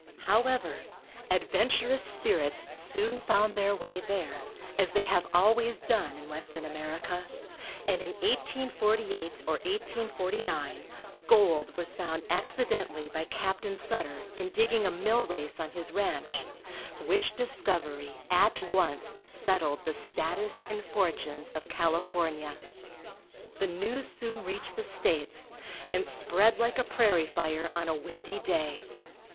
However, adventurous spirits soon found their way there, as they have always done in Western America, and in 1848 or 1849 gold was found accidentally by Captain Sutter, in digging a mill race on his ranch, which discovery at once settled the status and fortunes of California. The news soon reached the States, and spread like a prairie fire on a windy day.